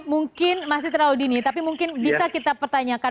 mungkin masih terlalu dini tapi mungkin bisa kita pertanyakan